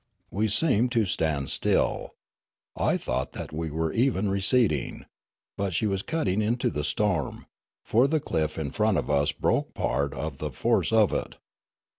We seemed to stand still ; I thought that we were even receding ; but she was cutting into the storm, for the cliflf in front of us broke part of the force of it.